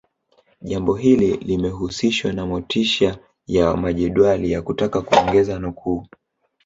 Jambo hili limehusishwa na motisha ya majedwali ya kutaka kuongeza nukuu